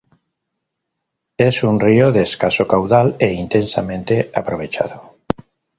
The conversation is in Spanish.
Es un río de escaso caudal e intensamente aprovechado.